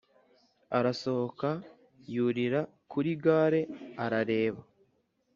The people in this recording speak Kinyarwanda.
arasohoka, yurira kuri gare, arareba.